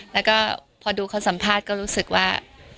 แล้วก็พอดูเขาสัมภาษณ์ก็รู้สึกว่า